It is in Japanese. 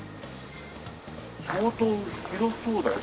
相当広そうだよ。